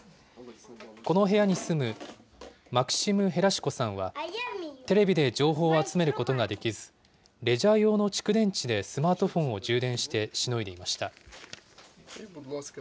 この部屋に住むマクシム・ヘラシコさんは、テレビで情報を集めることができず、レジャー用の蓄電池でスマートフォンを充電してしのいでいました。